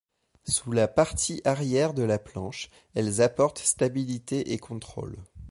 Sous la partie arrière de la planche, elles apportent stabilité et contrôle.